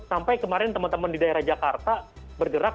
sampai kemarin teman teman di daerah jakarta bergerak